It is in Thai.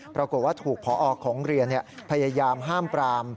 ปรากฏว่าถูกพอของเรียนพยายามห้ามปราม